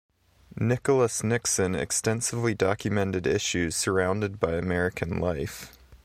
Nicholas Nixon extensively documented issues surrounded by American life.